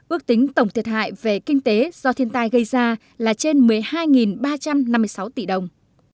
ước tính tổng thiệt hại về kinh tế do thiên tai gây ra là trên một mươi hai ba trăm năm mươi sáu tỷ đồng